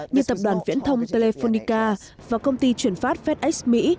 như tập đoàn viễn thông telephonica và công ty chuyển phát fedex mỹ